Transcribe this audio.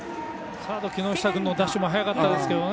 サード木下君のダッシュも速かったですね。